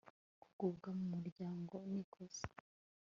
gukurwa mu muryango ni kosa